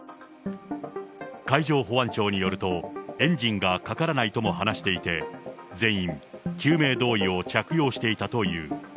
海上保安庁によると、エンジンがかからないとも話していて、全員救命胴衣を着用していたという。